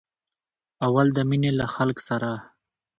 اول د مینې له خالق سره.